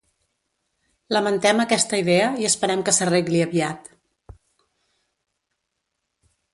Lamentem aquesta idea i esperem que s'arregli aviat.